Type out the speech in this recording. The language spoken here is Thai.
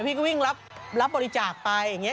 พี่ก็วิ่งรับบริจาคไปอย่างนี้